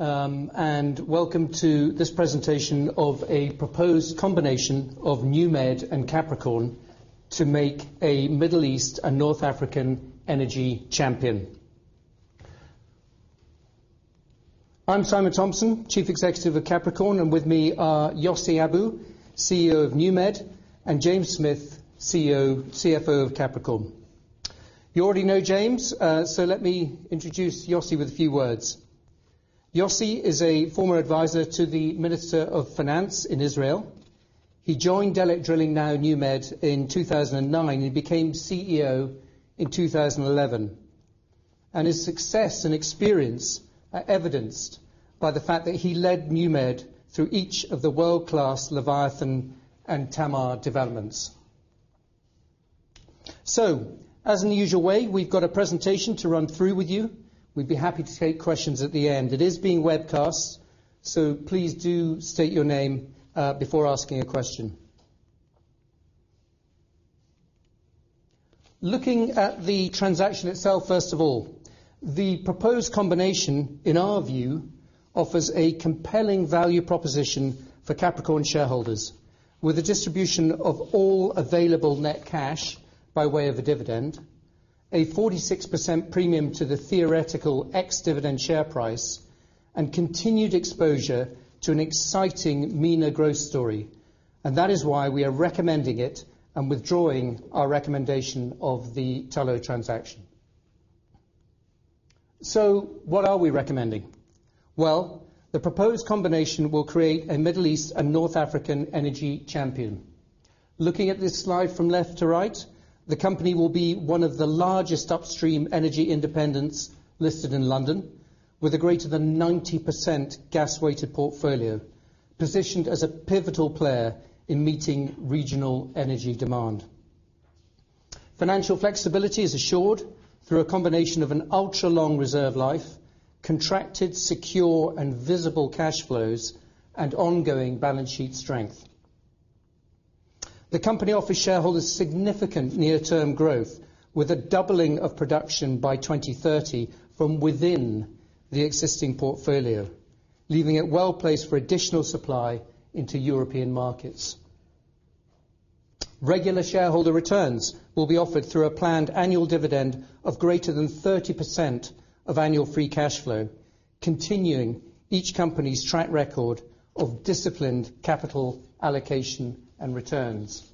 Welcome to this presentation of a proposed combination of NewMed and Capricorn to make a Middle East and North African energy champion. I'm Simon Thomson, Chief Executive of Capricorn, and with me are Yossi Abu, CEO of NewMed, and James Smith, CFO of Capricorn. You already know James, so let me introduce Yossi with a few words. Yossi is a former advisor to the Minister of Finance in Israel. He joined Delek Drilling, now NewMed, in 2009, and became CEO in 2011. His success and experience are evidenced by the fact that he led NewMed through each of the world-class Leviathan and Tamar developments. As in the usual way, we've got a presentation to run through with you. We'd be happy to take questions at the end. It is being webcast, so please do state your name before asking a question. Looking at the transaction itself, first of all, the proposed combination, in our view, offers a compelling value proposition for Capricorn shareholders with the distribution of all available net cash by way of a dividend, a 46% premium to the theoretical ex-dividend share price, and continued exposure to an exciting MENA growth story. That is why we are recommending it and withdrawing our recommendation of the Tullow transaction. What are we recommending? The proposed combination will create a Middle East and North African energy champion. Looking at this slide from left to right, the company will be one of the largest upstream energy independents listed in London with a greater than 90% gas-weighted portfolio, positioned as a pivotal player in meeting regional energy demand. Financial flexibility is assured through a combination of an ultra-long reserve life, contracted, secure, and visible cash flows, and ongoing balance sheet strength. The company offers shareholders significant near-term growth with a doubling of production by 2030 from within the existing portfolio, leaving it well-placed for additional supply into European markets. Regular shareholder returns will be offered through a planned annual dividend of greater than 30% of annual free cash flow, continuing each company's track record of disciplined capital allocation and returns.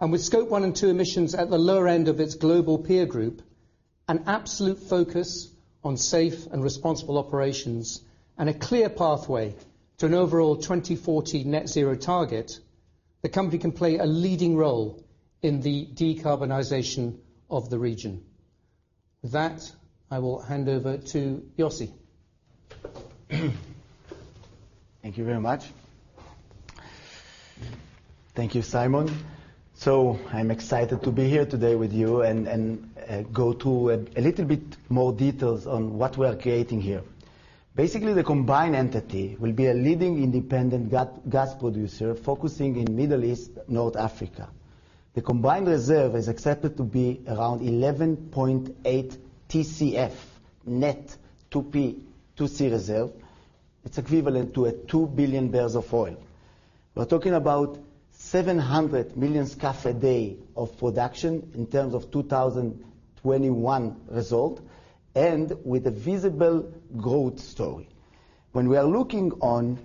With Scope 1 and 2 emissions at the lower end of its global peer group, an absolute focus on safe and responsible operations, and a clear pathway to an overall 2040 net zero target, the company can play a leading role in the decarbonization of the region. With that, I will hand over to Yossi. Thank you very much. Thank you, Simon. I'm excited to be here today with you and go through a little bit more details on what we are creating here. Basically, the combined entity will be a leading independent gas producer focusing in Middle East, North Africa. The combined reserve is expected to be around 11.8 TCF net, 2P 2C reserve. It's equivalent to 2 billion barrels of oil. We're talking about 700 million scf a day of production in terms of 2021 results, and with a visible growth story. When we are looking at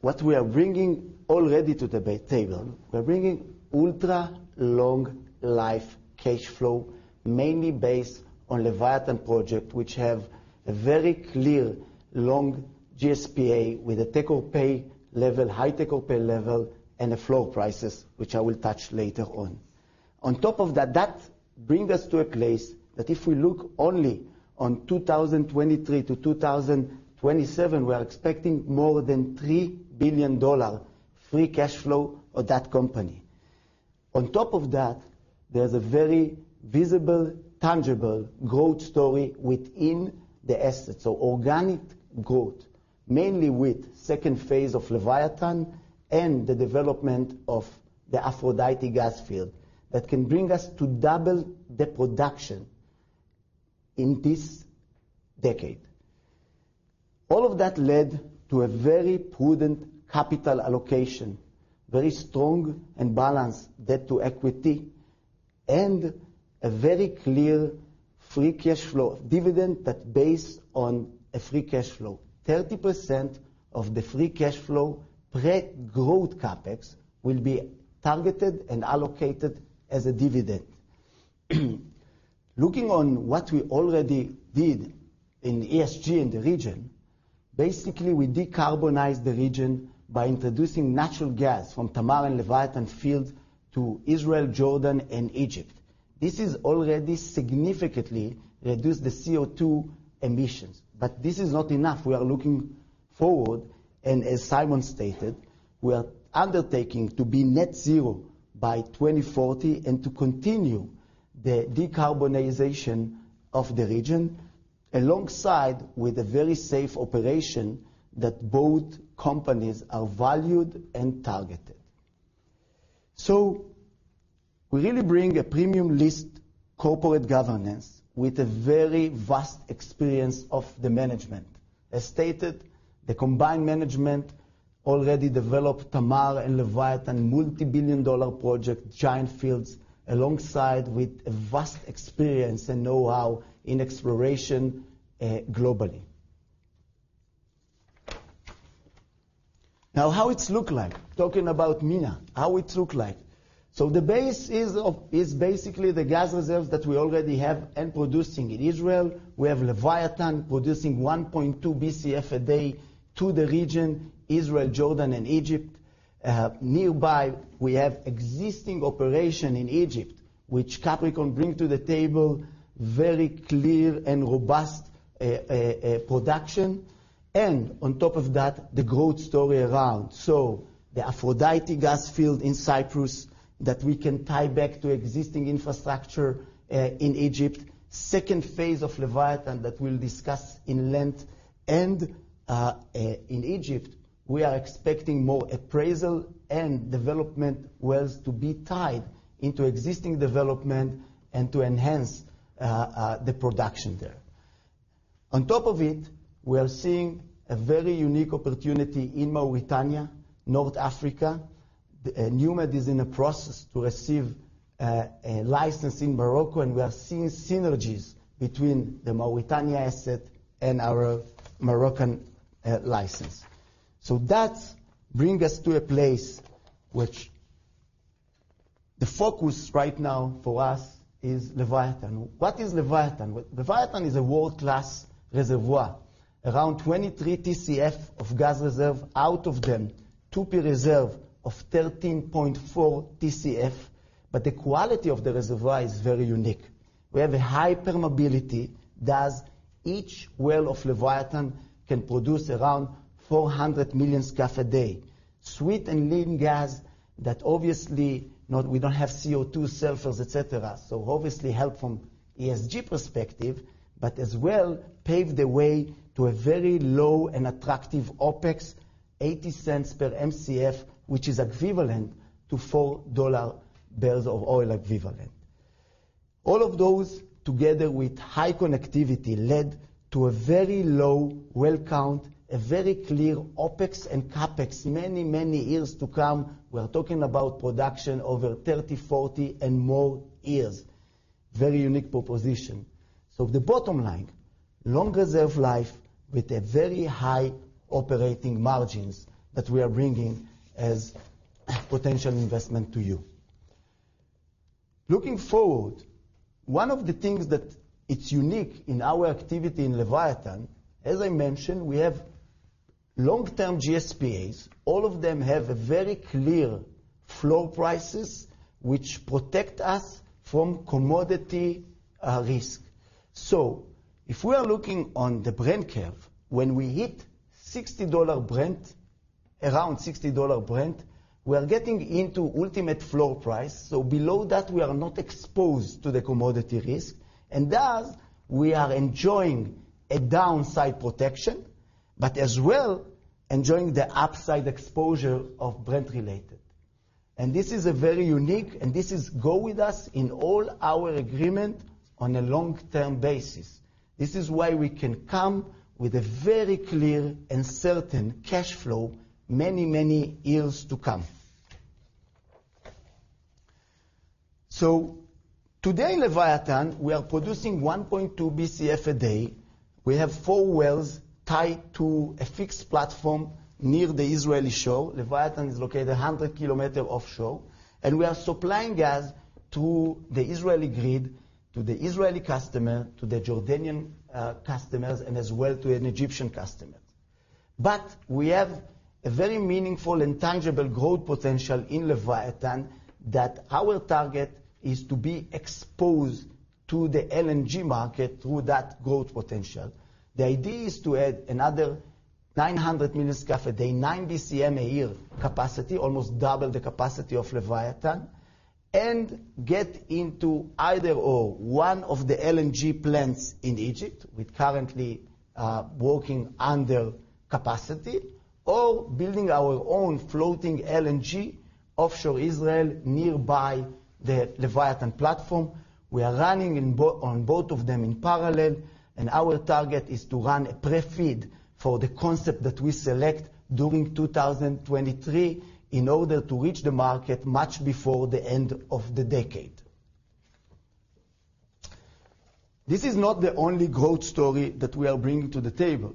what we are bringing already to the bargaining table, we're bringing ultra-long life cash flow, mainly based on Leviathan project, which has a very clear long GSPA with a take or pay level, high take or pay level, and the floor prices, which I will touch later on. On top of that brings us to a place that if we look only at 2023-2027, we are expecting more than $3 billion free cash flow of that company. On top of that, there's a very visible, tangible growth story within the assets. Organic growth, mainly with second phase of Leviathan and the development of the Aphrodite gas field that can bring us to double the production in this decade. All of that led to a very prudent capital allocation, very strong and balanced debt to equity, and a very clear free cash flow dividend that based on a free cash flow. 30% of the free cash flow pre-growth CapEx will be targeted and allocated as a dividend. Looking at what we already did in ESG in the region, basically we decarbonize the region by introducing natural gas from Tamar and Leviathan field to Israel, Jordan, and Egypt. This has already significantly reduced the CO2 emissions, but this is not enough. We are looking forward, and as Simon stated, we are undertaking to be net zero by 2040 and to continue the decarbonization of the region. Alongside with a very safe operation that both companies are valued and targeted. We really bring a premium listed corporate governance with a very vast experience of the management. As stated, the combined management already developed Tamar and Leviathan, multibillion-dollar project giant fields, alongside with a vast experience and know-how in exploration, globally. Now, how it's look like? Talking about MENA, how it look like? The base is basically the gas reserves that we already have and producing. In Israel, we have Leviathan producing 1.2 Bcf a day to the region, Israel, Jordan and Egypt. Nearby, we have existing operation in Egypt, which Capricorn bring to the table very clear and robust production and on top of that, the growth story around. The Aphrodite gas field in Cyprus that we can tie back to existing infrastructure in Egypt. Second phase of Leviathan that we'll discuss in length. In Egypt, we are expecting more appraisal and development wells to be tied into existing development and to enhance the production there. On top of it, we are seeing a very unique opportunity in Mauritania, North Africa. NewMed is in the process to receive a license in Morocco, and we are seeing synergies between the Mauritania asset and our Moroccan license. That bring us to a place which the focus right now for us is Leviathan. What is Leviathan? Well, Leviathan is a world-class reservoir. Around 23 TCF of gas reserve, out of them 2P reserve of 13.4 TCF, but the quality of the reservoir is very unique. We have a high permeability. Thus, each well of Leviathan can produce around $400 million scf a day. Sweet and lean gas. We don't have CO2, sulfurs, et cetera, so obviously helps from ESG perspective, but as well, paves the way to a very low and attractive OpEx, $0.80 per Mcf, which is equivalent to $4 barrels of oil equivalent. All of those, together with high connectivity, led to a very low well count, a very clear OpEx and CapEx many, many years to come. We're talking about production over 30, 40, and more years. Very unique proposition. The bottom line, long reserve life with a very high operating margins that we are bringing as potential investment to you. Looking forward, one of the things that it's unique in our activity in Leviathan, as I mentioned, we have long-term GSPAs. All of them have a very clear floor prices which protect us from commodity risk. If we are looking on the Brent curve, when we hit $60 Brent, around $60 Brent, we are getting into ultimate floor price, so below that, we are not exposed to the commodity risk. Thus, we are enjoying a downside protection, but as well, enjoying the upside exposure of Brent related. This is a very unique, and this goes with us in all our agreement on a long-term basis. This is why we can come with a very clear and certain cash flow many, many years to come. Today, Leviathan, we are producing 1.2 Bcf a day. We have four wells tied to a fixed platform near the Israeli shore. Leviathan is located 100 km offshore, and we are supplying gas to the Israeli grid, to the Israeli customer, to the Jordanian customers, and as well to an Egyptian customer. We have a very meaningful and tangible growth potential in Leviathan that our target is to be exposed to the LNG market through that growth potential. The idea is to add another 900 MMscfd, nine BCM a year capacity, almost double the capacity of Leviathan, and get into either or one of the LNG plants in Egypt. We're currently working under capacity or building our own floating LNG offshore Israel nearby the Leviathan platform. We are running on both of them in parallel, and our target is to run a pre-feed for the concept that we select during 2023 in order to reach the market much before the end of the decade. This is not the only growth story that we are bringing to the table.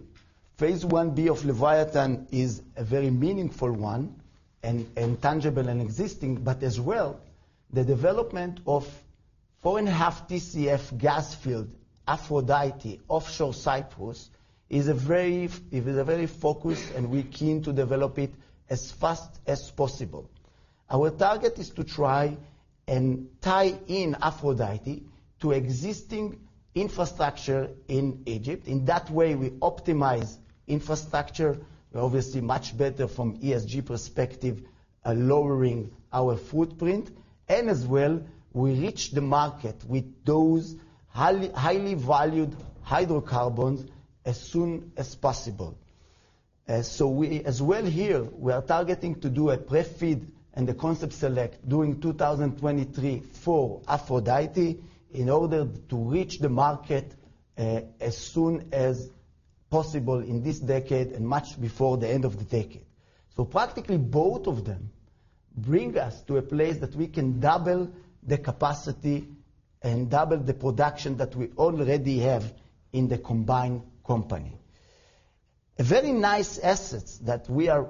Phase I-B of Leviathan is a very meaningful one and tangible and existing, but as well, the development of 4.5 TCF gas field, Aphrodite, offshore Cyprus, is a very focused and we are keen to develop it as fast as possible. Our target is to try and tie in Aphrodite to existing infrastructure in Egypt. In that way, we optimize infrastructure, obviously much better from ESG perspective, lowering our footprint, and as well, we reach the market with those highly valued hydrocarbons as soon as possible. We, as well here, are targeting to do a pre-feed and the concept select during 2023 for Aphrodite in order to reach the market, as soon as possible in this decade and much before the end of the decade. Practically both of them bring us to a place that we can double the capacity and double the production that we already have in the combined company. A very nice assets that we are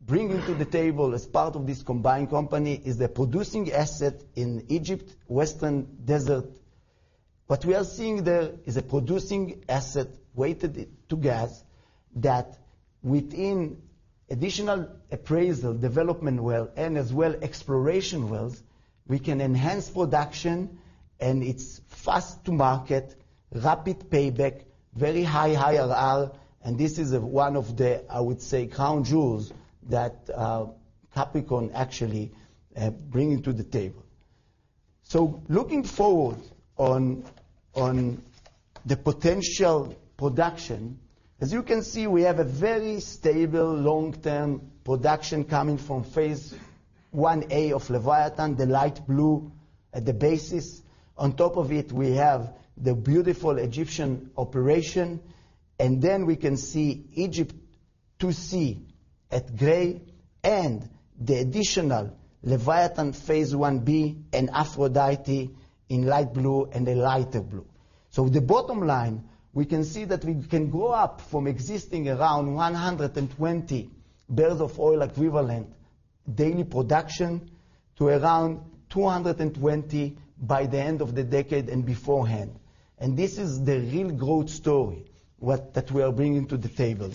bringing to the table as part of this combined company is the producing asset in Egypt, Western Desert. What we are seeing there is a producing asset weighted to gas that within additional appraisal, development well, and as well exploration wells, we can enhance production and it's fast to market, rapid payback, very high, high IRR. This is one of the, I would say, crown jewels that Capricorn actually bringing to the table. Looking forward to the potential production, as you can see, we have a very stable long-term production coming from Phase I-A of Leviathan, the light blue at the basis. On top of it, we have the beautiful Egyptian operation, and then we can see Egypt 2C at gray and the additional Leviathan Phase I-B and Aphrodite in light blue and a lighter blue. The bottom line, we can see that we can go up from existing around 120 barrels of oil equivalent daily production to around 220 by the end of the decade and beforehand. This is the real growth story that we are bringing to the table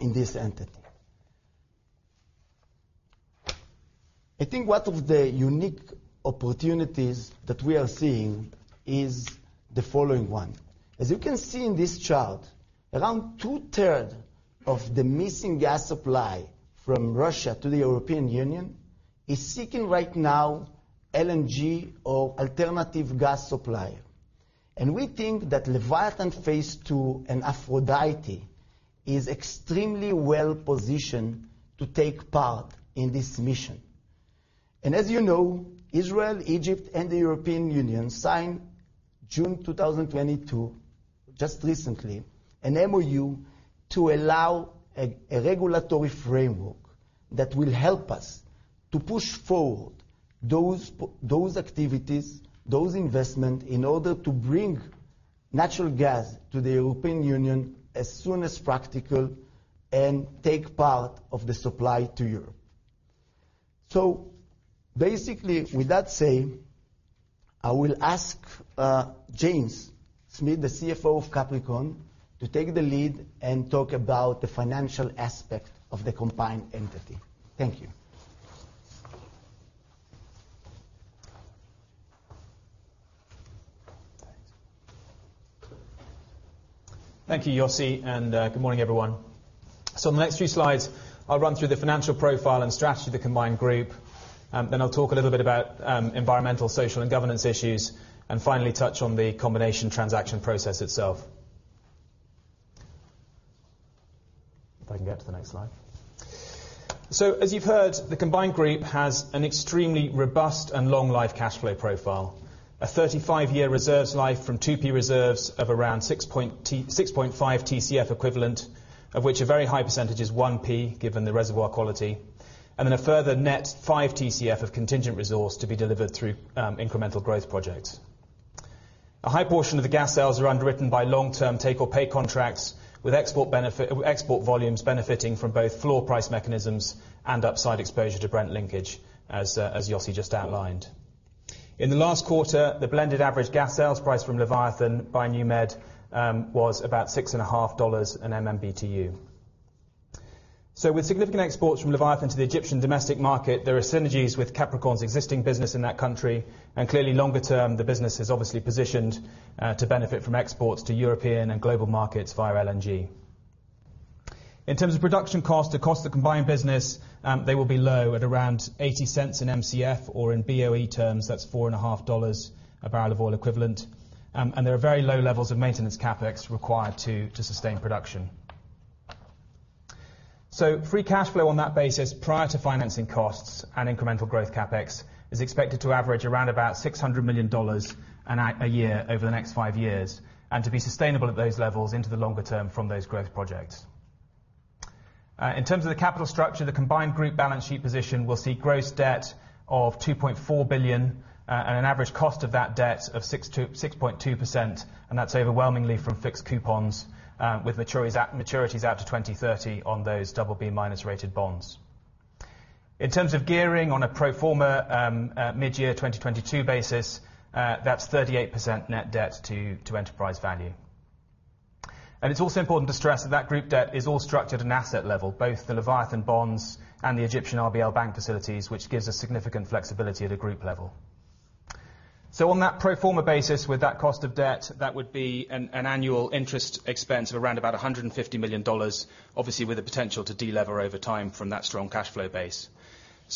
in this entity. I think one of the unique opportunities that we are seeing is the following one. As you can see in this chart, around 2/3 of the missing gas supply from Russia to the European Union is seeking right now LNG or alternative gas supplier. We think that Leviathan phase two and Aphrodite is extremely well-positioned to take part in this mission. As you know, Israel, Egypt, and the European Union signed June 2022, just recently, an MOU to allow a regulatory framework that will help us to push forward those activities, those investment in order to bring natural gas to the European Union as soon as practical and take part of the supply to Europe. Basically, with that said, I will ask James Smith, the CFO of Capricorn, to take the lead and talk about the financial aspect of the combined entity. Thank you. Thank you, Yossi, and good morning, everyone. In the next few slides, I'll run through the financial profile and strategy of the combined group. Then I'll talk a little bit about environmental, social, and governance issues, and finally touch on the combination transaction process itself. If I can get to the next slide. As you've heard, the combined group has an extremely robust and long life cash flow profile. A 35-year reserves life from 2P reserves of around 6.5 TCF equivalent, of which a very high percentage is 1P, given the reservoir quality, and then a further net 5 TCF of contingent resource to be delivered through incremental growth projects. A high portion of the gas sales are underwritten by long-term take or pay contracts with export benefit, export volumes benefiting from both floor price mechanisms and upside exposure to Brent linkage as Yossi just outlined. In the last quarter, the blended average gas sales price from Leviathan by NewMed was about $6.5/MMBTU. With significant exports from Leviathan to the Egyptian domestic market, there are synergies with Capricorn's existing business in that country, and clearly longer term, the business is obviously positioned to benefit from exports to European and global markets via LNG. In terms of production cost, the cost of combined business, they will be low at around $0.80/Mcf or in BOE terms, that's $4.5/BOE. There are very low levels of maintenance CapEx required to sustain production. Free cash flow on that basis, prior to financing costs and incremental growth CapEx, is expected to average around about $600 million a year over the next five years, and to be sustainable at those levels into the longer term from those growth projects. In terms of the capital structure, the combined group balance sheet position will see gross debt of $2.4 billion, and an average cost of that debt of 6.2%, and that's overwhelmingly from fixed coupons, with maturities out to 2030 on those double B minus rated bonds. In terms of gearing on a pro forma, mid-year 2022 basis, that's 38% net debt to enterprise value. It's also important to stress that group debt is all structured at an asset level, both the Leviathan bonds and the Egyptian RBL bank facilities, which gives us significant flexibility at a group level. On that pro forma basis, with that cost of debt, that would be an annual interest expense of around about $150 million, obviously with the potential to delever over time from that strong cash flow base.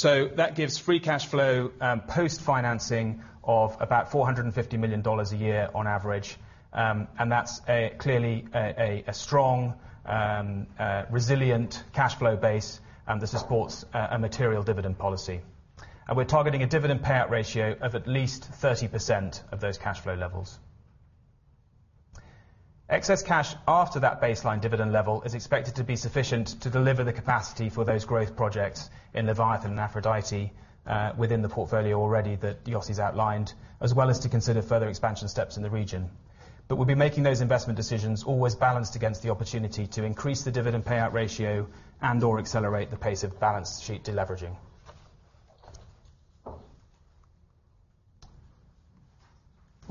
That gives free cash flow post-financing of about $450 million a year on average. That's clearly a strong resilient cash flow base, and this supports a material dividend policy. We're targeting a dividend payout ratio of at least 30% of those cash flow levels. Excess cash after that baseline dividend level is expected to be sufficient to deliver the capacity for those growth projects in Leviathan and Aphrodite within the portfolio already that Yossi's outlined, as well as to consider further expansion steps in the region. We'll be making those investment decisions always balanced against the opportunity to increase the dividend payout ratio and/or accelerate the pace of balance sheet de-leveraging.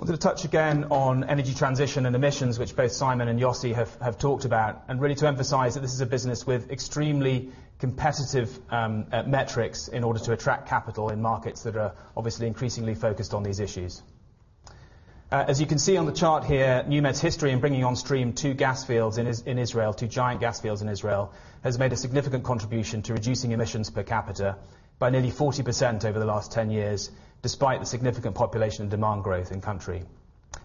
I wanted to touch again on energy transition and emissions, which both Simon and Yossi have talked about, and really to emphasize that this is a business with extremely competitive metrics in order to attract capital in markets that are obviously increasingly focused on these issues. As you can see on the chart here, NewMed's history in bringing on stream two gas fields in Israel, two giant gas fields in Israel, has made a significant contribution to reducing emissions per capita by nearly 40% over the last 10 years, despite the significant population and demand growth in country.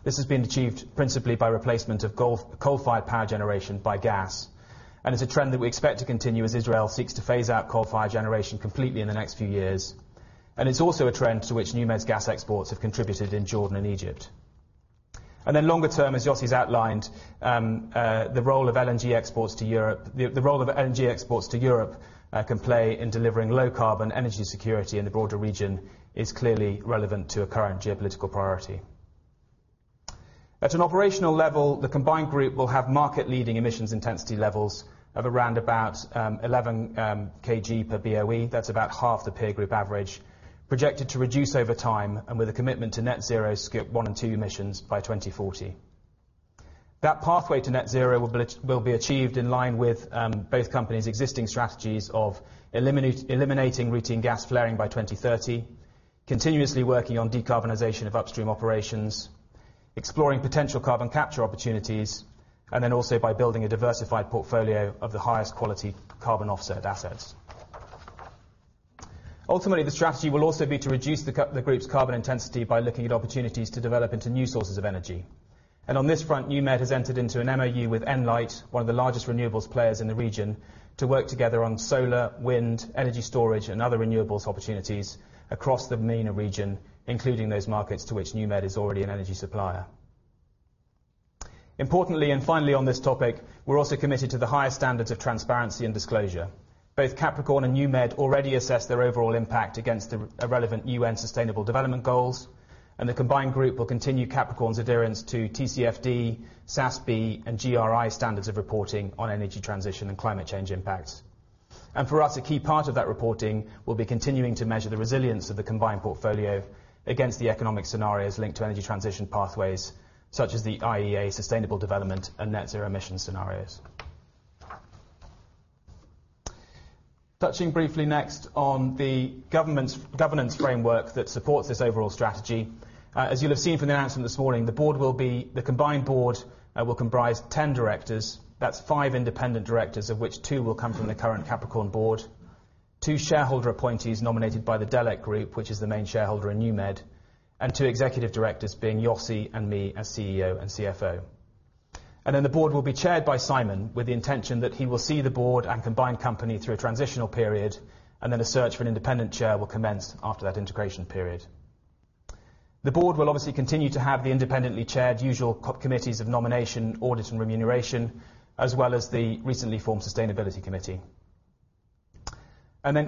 This has been achieved principally by replacement of coal-fired power generation by gas, and it's a trend that we expect to continue as Israel seeks to phase out coal-fired generation completely in the next few years. It's also a trend to which NewMed's gas exports have contributed in Jordan and Egypt. Longer term, as Yossi's outlined, the role of LNG exports to Europe can play in delivering low-carbon energy security in the broader region is clearly relevant to a current geopolitical priority. At an operational level, the combined group will have market-leading emissions intensity levels of around about 11 kg per BOE. That's about half the peer group average. Projected to reduce over time and with a commitment to net zero scope one and two emissions by 2040. That pathway to net zero will be achieved in line with both companies' existing strategies of eliminating routine gas flaring by 2030, continuously working on decarbonization of upstream operations, exploring potential carbon capture opportunities, and then also by building a diversified portfolio of the highest quality carbon offset assets. Ultimately, the strategy will also be to reduce the group's carbon intensity by looking at opportunities to develop into new sources of energy. On this front, NewMed has entered into an MOU with Enlight, one of the largest renewables players in the region, to work together on solar, wind, energy storage, and other renewables opportunities across the MENA region, including those markets to which NewMed is already an energy supplier. Importantly, and finally on this topic, we're also committed to the highest standards of transparency and disclosure. Both Capricorn and NewMed already assess their overall impact against the relevant UN sustainable development goals, and the combined group will continue Capricorn's adherence to TCFD, SASB, and GRI standards of reporting on energy transition and climate change impacts. For us, a key part of that reporting will be continuing to measure the resilience of the combined portfolio against the economic scenarios linked to energy transition pathways, such as the IEA sustainable development and net zero emissions scenarios. Touching briefly next on the governance framework that supports this overall strategy. As you'll have seen from the announcement this morning, the combined board will comprise 10 directors. That's five independent directors, of which two will come from the current Capricorn board, two shareholder appointees nominated by the Delek Group, which is the main shareholder in NewMed, and two executive directors being Yossi and me as CEO and CFO. The board will be chaired by Simon with the intention that he will see the board and combined company through a transitional period, and then a search for an independent chair will commence after that integration period. The board will obviously continue to have the independently chaired usual committees of nomination, audit, and remuneration, as well as the recently formed sustainability committee.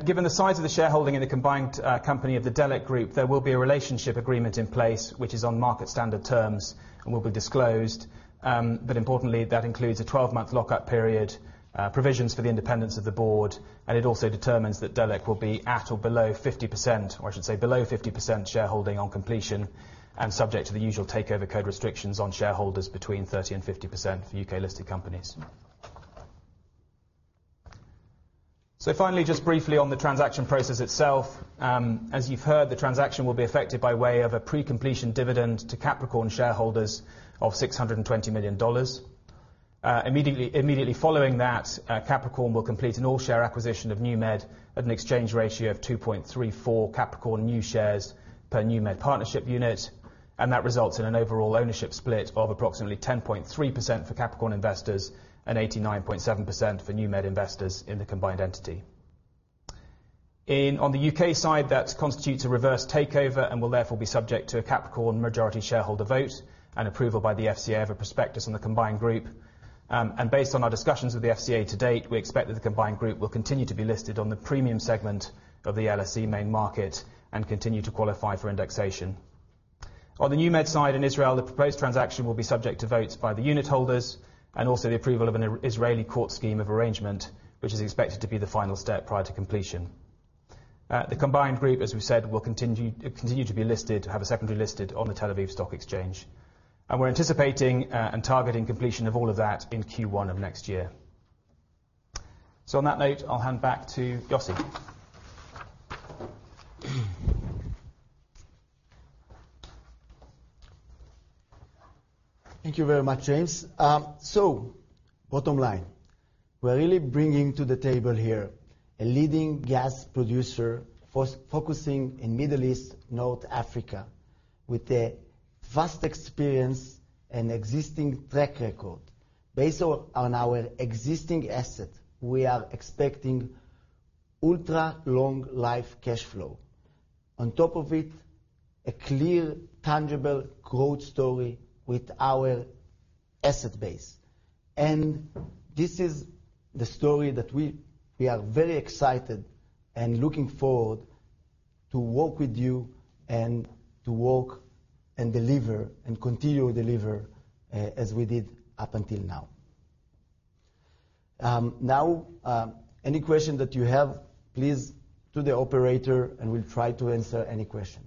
Given the size of the shareholding in the combined company of the Delek Group, there will be a relationship agreement in place, which is on market standard terms and will be disclosed. Importantly, that includes a 12-month lock-up period, provisions for the independence of the board, and it also determines that Delek will be at or below 50%, or I should say below 50% shareholding on completion and subject to the usual takeover code restrictions on shareholders between 30% and 50% for U.K.-listed companies. Finally, just briefly on the transaction process itself. As you've heard, the transaction will be effected by way of a pre-completion dividend to Capricorn shareholders of $620 million. Immediately following that, Capricorn will complete an all-share acquisition of NewMed at an exchange ratio of 2.34 Capricorn new shares per NewMed partnership unit, and that results in an overall ownership split of approximately 10.3% for Capricorn investors and 89.7% for NewMed investors in the combined entity. On the U.K. side, that constitutes a reverse takeover and will therefore be subject to a Capricorn majority shareholder vote and approval by the FCA of a prospectus on the combined group. Based on our discussions with the FCA to date, we expect that the combined group will continue to be listed on the premium segment of the LSE main market and continue to qualify for indexation. On the NewMed side in Israel, the proposed transaction will be subject to votes by the unit holders and also the approval of an Israeli court scheme of arrangement, which is expected to be the final step prior to completion. The combined group, as we've said, will continue to be listed, have a secondary listed on the Tel Aviv Stock Exchange. We're anticipating and targeting completion of all of that in Q1 of next year. On that note, I'll hand back to Yossi. Thank you very much, James. Bottom line, we're really bringing to the table here a leading gas producer focusing in Middle East, North Africa with the vast experience and existing track record. Based on our existing asset, we are expecting ultra-long life cashflow. On top of it, a clear tangible growth story with our asset base. This is the story that we are very excited and looking forward to work with you and to work and deliver and continue to deliver as we did up until now. Now, any questions that you have, please to the operator, and we'll try to answer any question.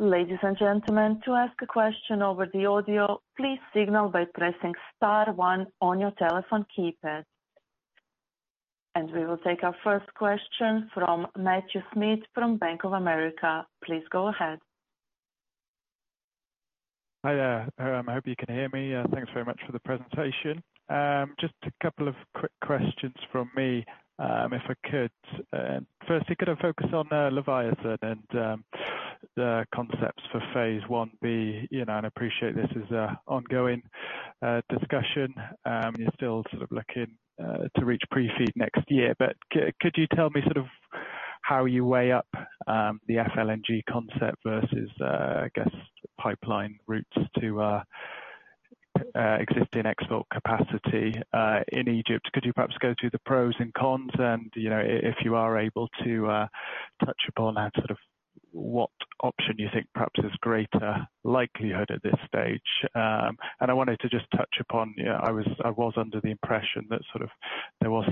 Ladies and gentlemen, to ask a question over the audio, please signal by pressing star one on your telephone keypad. We will take our first question from Matthew Smith from Bank of America. Please go ahead. Hi there. I hope you can hear me. Thanks very much for the presentation. Just a couple of quick questions from me, if I could. Firstly, could I focus on Leviathan and the concepts for phase I-B? You know, I appreciate this is an ongoing discussion. You're still sort of looking to reach pre-FEED next year. Could you tell me sort of how you weigh up the FLNG concept versus, I guess, pipeline routes to existing export capacity in Egypt? Could you perhaps go through the pros and cons and, you know, if you are able to touch upon that, sort of what option you think perhaps is greater likelihood at this stage? I wanted to just touch upon, you know, I was under the impression that sort of there was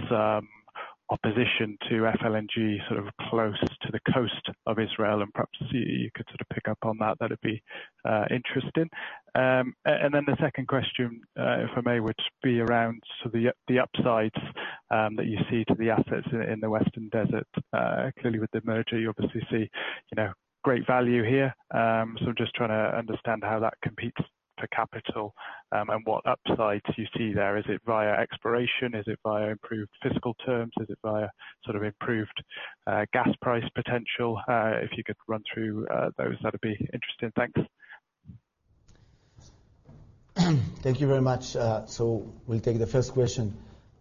opposition to FLNG sort of close to the coast of Israel, and perhaps you could sort of pick up on that. That'd be interesting. And then the second question, if I may, would be around sort of the upsides that you see to the assets in the Western Desert. Clearly with the merger, you obviously see, you know, great value here. I'm just trying to understand how that competes for capital, and what upsides you see there. Is it via exploration? Is it via improved fiscal terms? Is it via sort of improved gas price potential? If you could run through those, that'd be interesting. Thanks. Thank you very much. We'll take the first question.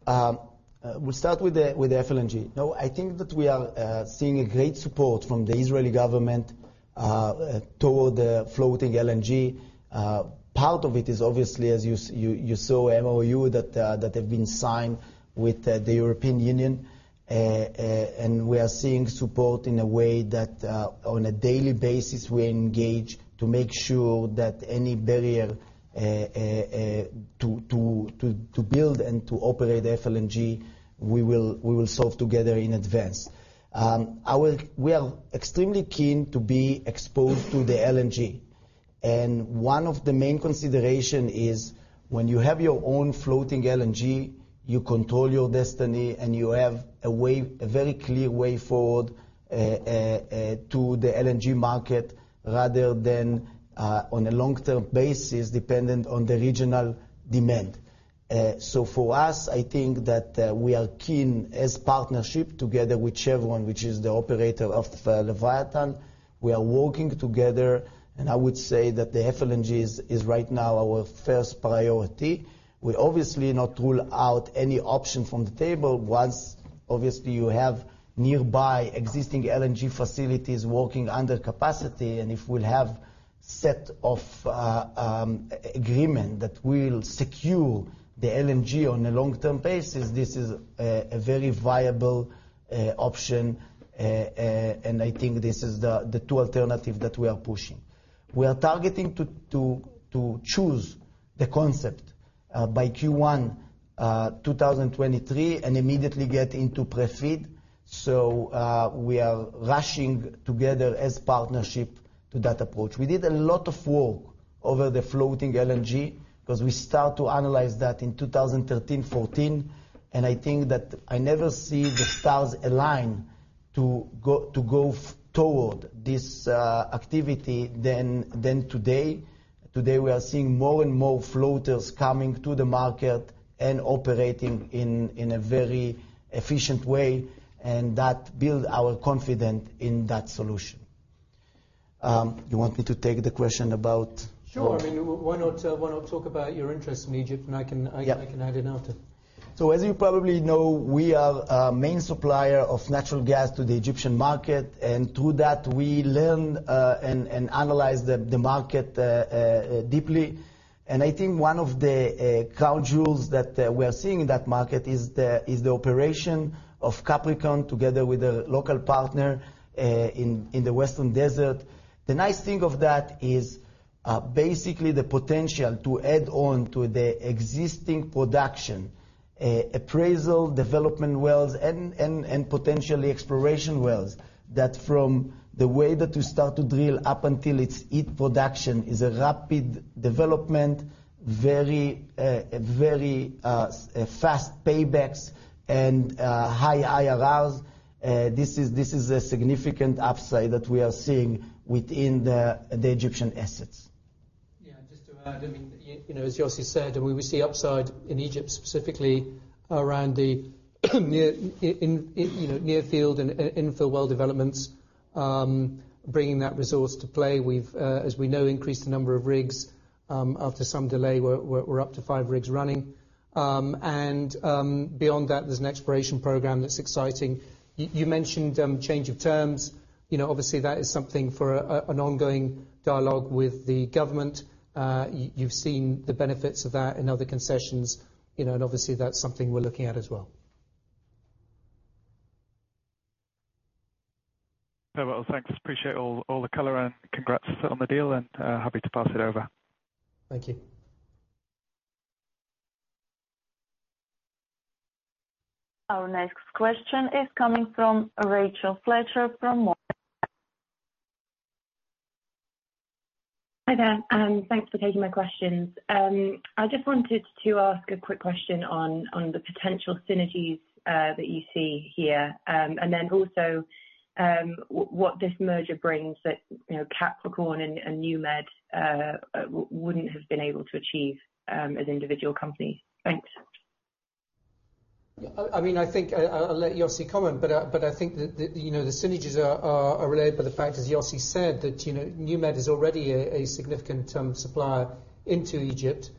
We start with the FLNG. No, I think that we are seeing a great support from the Israeli government toward the floating LNG. Part of it is obviously, as you saw MOU that have been signed with the European Union. We are seeing support in a way that on a daily basis we engage to make sure that any barrier to build and to operate FLNG, we will solve together in advance. We are extremely keen to be exposed to the LNG. One of the main considerations is when you have your own floating LNG, you control your destiny, and you have a way, a very clear way forward, to the LNG market, rather than, on a long-term basis, dependent on the regional demand. For us, I think that we are keen as a partnership together with Chevron, which is the operator of Leviathan. We are working together, and I would say that the FLNG is right now our first priority. We obviously do not rule out any option from the table. Once obviously you have nearby existing LNG facilities working under capacity, and if we'll have set of agreement that we'll secure the LNG on a long-term basis, this is a very viable option. I think this is the two alternatives that we are pushing. We are targeting to choose the concept by Q1 2023, and immediately get into prefeed. We are rushing together as partnership to that approach. We did a lot of work over the floating LNG because we start to analyze that in 2013, 2014, and I think that I never see the stars align to go toward this activity than today. Today, we are seeing more and more floaters coming to the market and operating in a very efficient way, and that build our confidence in that solution. You want me to take the question about. Sure. I mean, why not talk about your interest in Egypt, and I can. Yeah. I can add in after. As you probably know, we are a main supplier of natural gas to the Egyptian market. Through that, we learn and analyze the market deeply. I think one of the crown jewels that we are seeing in that market is the operation of Capricorn together with a local partner in the Western Desert. The nice thing of that is basically the potential to add on to the existing production, appraisal, development wells and potentially exploration wells. That from the way that you start to drill up until it's at production is a rapid development, very fast paybacks and high IRRs. This is a significant upside that we are seeing within the Egyptian assets. You know, as Yossi said, we see upside in Egypt specifically around the near field and infill well developments, bringing that resource to play. We've, as we know, increased the number of rigs. After some delay, we're up to five rigs running. Beyond that, there's an exploration program that's exciting. You mentioned change of terms. You know, obviously that is something for an ongoing dialogue with the government. You've seen the benefits of that in other concessions, you know, and obviously that's something we're looking at as well. Very well. Thanks. Appreciate all the color and congrats on the deal and happy to pass it over. Thank you. Our next question is coming from Rachel Fletcher from Morgan Stanley. Hi there, thanks for taking my questions. I just wanted to ask a quick question on the potential synergies that you see here, and then also what this merger brings that, you know, Capricorn and NewMed wouldn't have been able to achieve as individual companies. Thanks. I mean, I think I'll let Yossi comment, but I think that you know, the synergies are related by the fact, as Yossi said, that you know, NewMed is already a significant supplier into Egypt.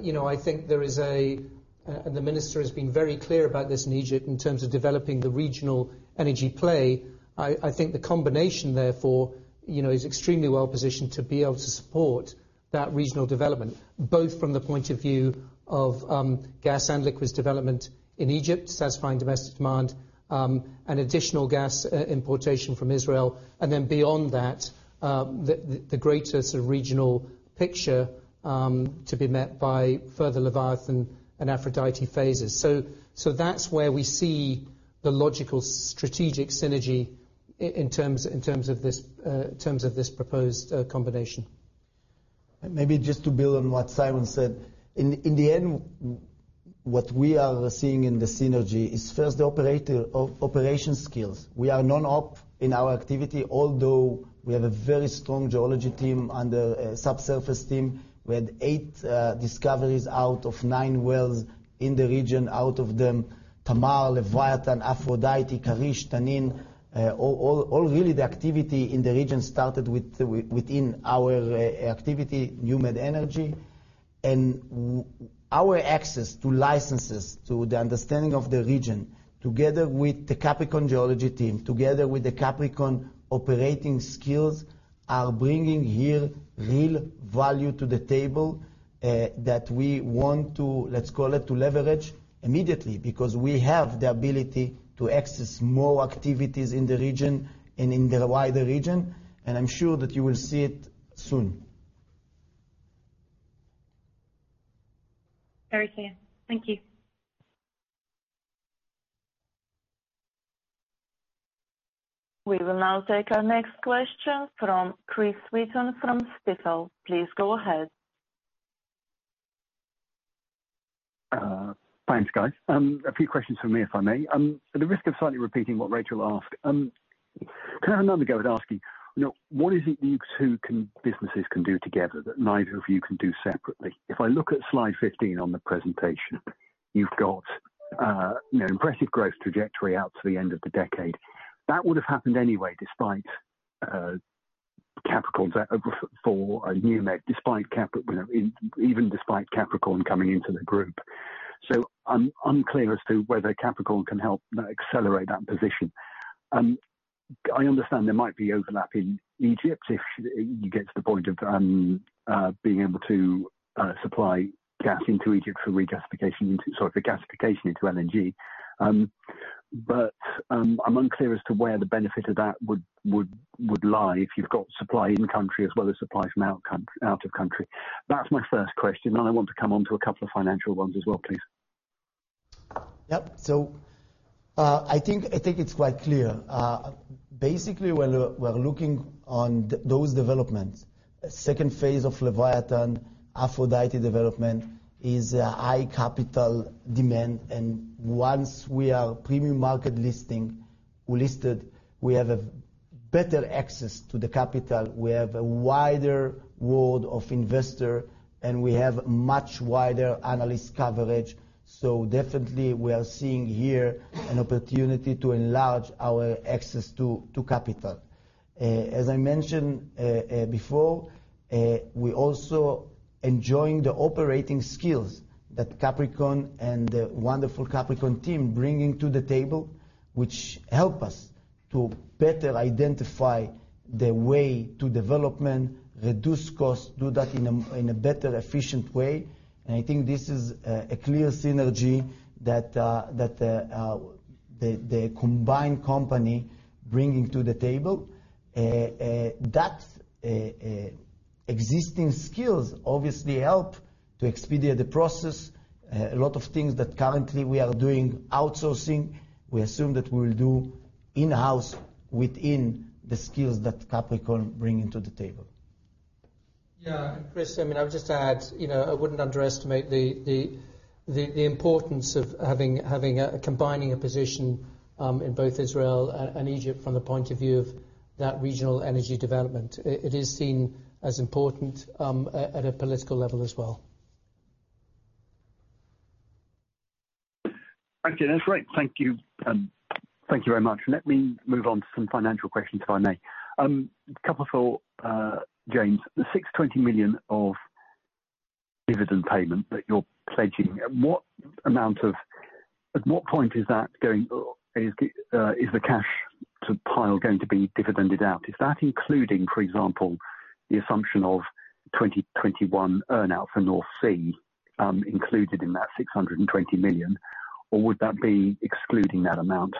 You know, I think there is, and the minister has been very clear about this in Egypt in terms of developing the regional energy play. I think the combination therefore you know, is extremely well-positioned to be able to support that regional development, both from the point of view of gas and liquids development in Egypt, satisfying domestic demand, and additional gas importation from Israel. Then beyond that, the greater sort of regional picture to be met by further Leviathan and Aphrodite phases. That's where we see the logical strategic synergy in terms of this proposed combination. Maybe just to build on what Simon said. In the end, what we are seeing in the synergy is first the operator operation skills. We are non-op in our activity, although we have a very strong geology team and subsurface team. We had eight discoveries out of nine wells in the region. Out of them, Tamar, Leviathan, Aphrodite, Karish, Tanin. All really the activity in the region started within our activity, NewMed Energy. Our access to licenses, to the understanding of the region, together with the Capricorn geology team, together with the Capricorn operating skills, are bringing here real value to the table, that we want to, let's call it, to leverage immediately. Because we have the ability to access more activities in the region and in the wider region, and I'm sure that you will see it soon. Okay. Thank you. We will now take our next question from Chris Wheaton from Stifel. Please go ahead. Thanks, guys. A few questions from me, if I may. At the risk of slightly repeating what Rachel asked, can I have another go at asking, you know, what is it you two businesses can do together that neither of you can do separately? If I look at Slide 15 on the presentation, you've got, you know, impressive growth trajectory out to the end of the decade. That would have happened anyway, despite Capricorn's effort for NewMed, despite, you know, even despite Capricorn coming into the group. I'm unclear as to whether Capricorn can help accelerate that position. I understand there might be overlap in Egypt if you get to the point of being able to supply gas into Egypt for regasification into, sorry, for gasification into LNG. I'm unclear as to where the benefit of that would lie if you've got supply in country as well as supply from out of country. That's my first question. I want to come on to a couple of financial ones as well, please. Yep. I think it's quite clear. Basically, we're looking on those developments. Second phase of Leviathan, Aphrodite development is a high capital demand. Once we are premium market listed, we have better access to the capital. We have a wider world of investor, and we have much wider analyst coverage. Definitely we are seeing here an opportunity to enlarge our access to capital. As I mentioned before, we're also enjoying the operating skills that Capricorn and the wonderful Capricorn team bringing to the table, which help us to better identify the way to development, reduce costs, do that in a better, efficient way. I think this is a clear synergy that the combined company bringing to the table. Existing skills obviously help to expedite the process. A lot of things that currently we are doing outsourcing, we assume that we will do in-house within the skills that Capricorn bringing to the table. Yeah. Chris, I mean, I would just add, you know, I wouldn't underestimate the importance of having combining a position in both Israel and Egypt from the point of view of that regional energy development. It is seen as important at a political level as well. Okay. That's great. Thank you very much. Let me move on to some financial questions, if I may. A couple for James. The $620 million of dividend payment that you're pledging, at what point is that going, is the cash pile going to be dividended out? Is that including, for example, the assumption of 2021 earn-out for North Sea, included in that $620 million, or would that be excluding that amount?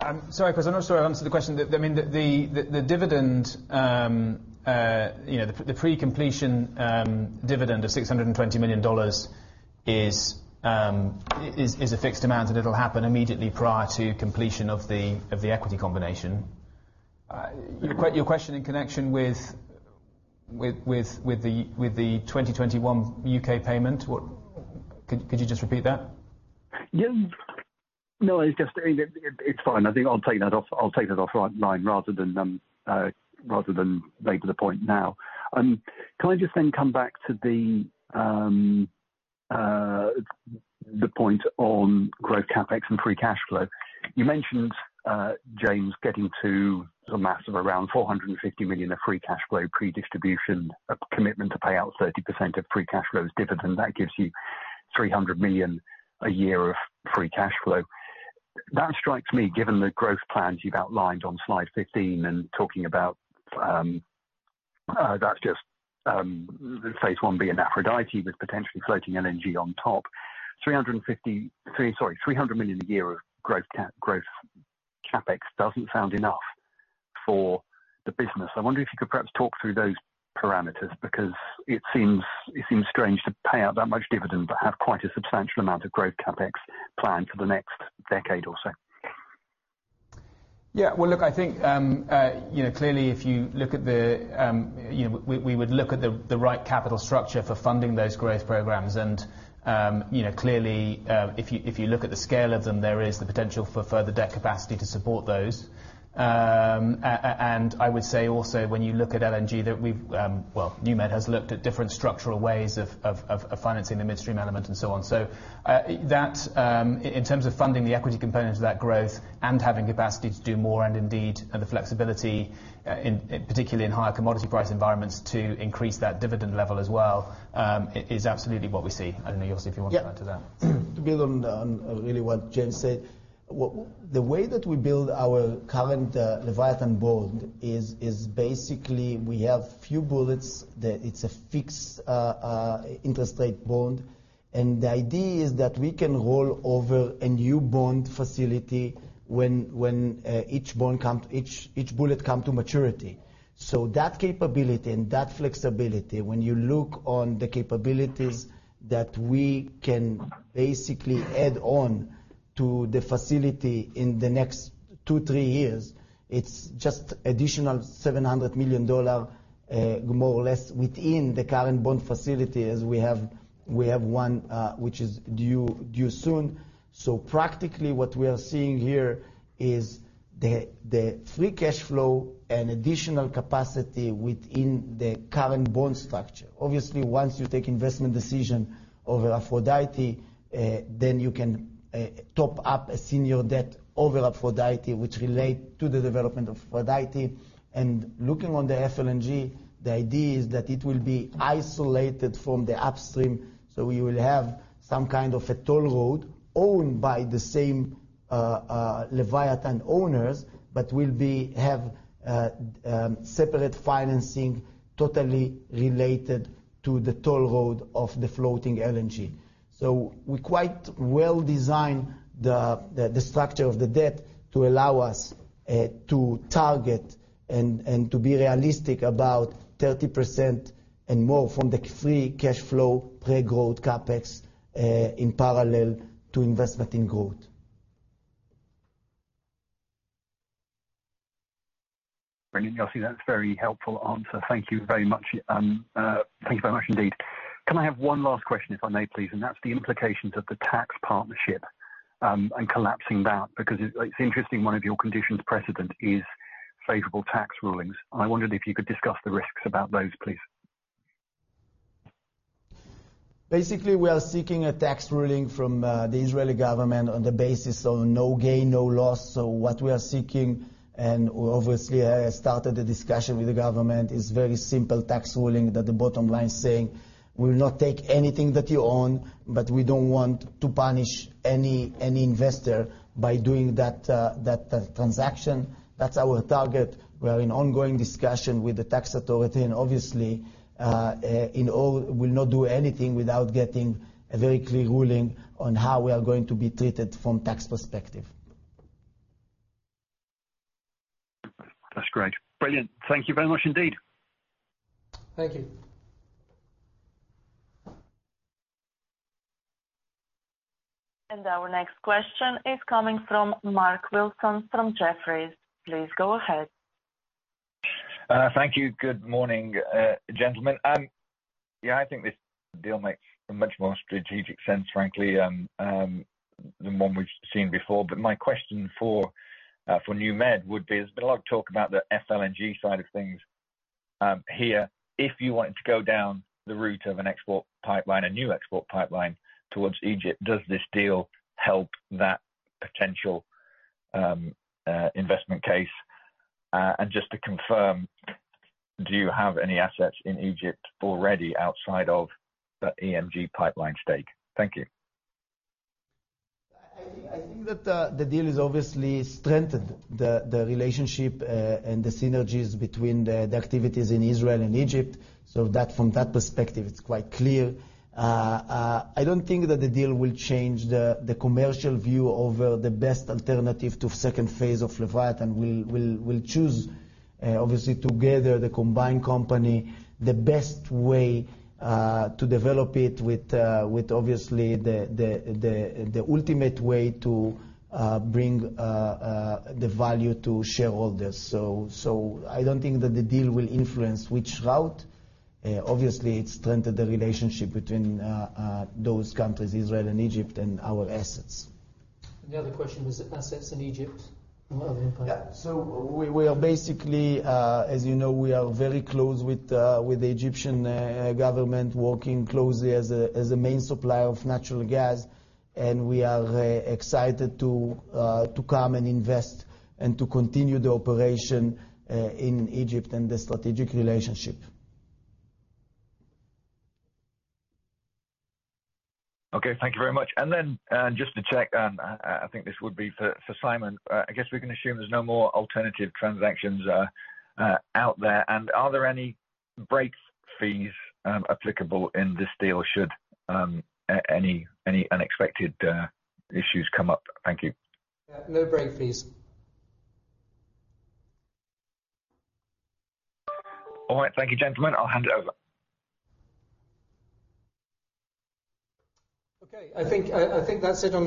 I'm sorry, Chris. I'm not sure I answered the question. I mean, the dividend, you know, the pre-completion dividend of $620 million is a fixed amount, and it'll happen immediately prior to completion of the equity combination. Your question in connection with the 2021 U.K. payment. Could you just repeat that? Yes. No, it's just, it's fine. I think I'll take that off, I'll take that offline rather than rather than make the point now. Can I just then come back to the point on growth CapEx and free cash flow? You mentioned, James, getting to a mass of around $450 million of free cash flow pre-distribution, a commitment to pay out 30% of free cash flow as dividend. That gives you $300 million a year of free cash flow. That strikes me, given the growth plans you've outlined on Slide 15 and talking about that's just phase I-B in Aphrodite with potentially floating LNG on top. $350 million, sorry, $300 million a year of growth CapEx doesn't sound enough for the business. I wonder if you could perhaps talk through those parameters because it seems strange to pay out that much dividend, but have quite a substantial amount of growth CapEx planned for the next decade or so. Yeah. Well, look, I think you know clearly we would look at the right capital structure for funding those growth programs. You know clearly if you look at the scale of them, there is the potential for further debt capacity to support those. I would say also when you look at LNG that we've, well, NewMed has looked at different structural ways of financing the midstream element and so on. That in terms of funding the equity component of that growth and having capacity to do more and indeed the flexibility, particularly in higher commodity price environments to increase that dividend level as well, is absolutely what we see. I don't know, Yossi, if you want to add to that. Yeah. To build on really what James said. The way that we build our current Leviathan bond is basically we have a few bullets that it's a fixed intrastate bond. The idea is that we can roll over a new bond facility when each bond comes, each bullet comes to maturity. That capability and that flexibility, when you look on the capabilities that we can basically add on to the facility in the next two-three years, it's just additional $700 million more or less within the current bond facility as we have, we have one which is due soon. Practically what we are seeing here is the free cash flow and additional capacity within the current bond structure. Obviously, once you take investment decision over Aphrodite, then you can top up a senior debt over Aphrodite, which relate to the development of Aphrodite. Looking on the FLNG, the idea is that it will be isolated from the upstream, so we will have some kind of a toll road owned by the same Leviathan owners, but will have separate financing totally related to the toll road of the floating LNG. We quite well design the structure of the debt to allow us to target and to be realistic about 30% and more from the free cash flow, pre-growth CapEx, in parallel to investment in growth. Brilliant, Yossi. That's a very helpful answer. Thank you very much. Thank you very much indeed. Can I have one last question, if I may please? That's the implications of the tax partnership and collapsing that, because it's interesting one of your conditions precedent is favorable tax rulings, and I wondered if you could discuss the risks about those, please. Basically, we are seeking a tax ruling from the Israeli government on the basis of no gain, no loss. What we are seeking, and we obviously have started the discussion with the government, is very simple tax ruling that the bottom line is saying, "We will not take anything that you own, but we don't want to punish any investor by doing that transaction." That's our target. We are in ongoing discussion with the tax authority and obviously, in all, we'll not do anything without getting a very clear ruling on how we are going to be treated from tax perspective. That's great. Brilliant. Thank you very much indeed. Thank you. Our next question is coming from Mark Wilson from Jefferies. Please go ahead. Thank you. Good morning, gentlemen. Yeah, I think this deal makes much more strategic sense, frankly, than one we've seen before. My question for NewMed would be, there's been a lot of talk about the FLNG side of things here. If you wanted to go down the route of an export pipeline, a new export pipeline towards Egypt, does this deal help that potential investment case? Just to confirm, do you have any assets in Egypt already outside of the EMG pipeline stake? Thank you. I think that the deal is obviously strengthened the relationship and the synergies between the activities in Israel and Egypt. That from that perspective, it's quite clear. I don't think that the deal will change the commercial view over the best alternative to second phase of Leviathan. We'll choose obviously together, the combined company, the best way to develop it with obviously the ultimate way to bring the value to shareholders. I don't think that the deal will influence which route. Obviously it strengthen the relationship between those countries, Israel and Egypt, and our assets. The other question was assets in Egypt. We are basically, as you know, we are very close with the Egyptian government, working closely as a main supplier of natural gas. We are excited to come and invest, and to continue the operation in Egypt and the strategic relationship. Okay, thank you very much. Just to check, I think this would be for Simon. I guess we can assume there's no more alternative transactions out there. Are there any break fees applicable in this deal, should any unexpected issues come up? Thank you. Yeah. No break fees. All right. Thank you, gentlemen. I'll hand it over. Okay. I think that's it on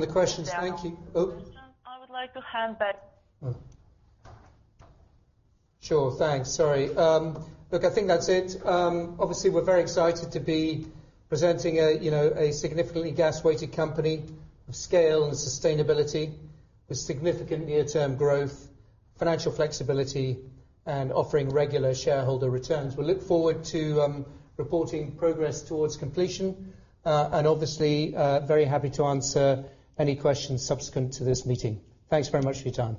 the questions. Thank you. Yeah. Oh. I would like to hand back. Sure. Thanks. Sorry. Look, I think that's it. Obviously we're very excited to be presenting a, you know, a significantly gas-weighted company of scale and sustainability with significant near-term growth, financial flexibility, and offering regular shareholder returns. We look forward to reporting progress towards completion, and obviously very happy to answer any questions subsequent to this meeting. Thanks very much for your time.